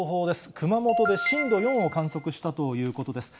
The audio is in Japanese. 熊本で震度４を観測したということです。